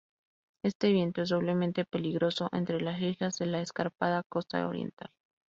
Este viento es doblemente peligroso entre las islas de la escarpada costa oriental.